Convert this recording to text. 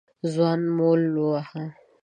ځوان مول وواهه.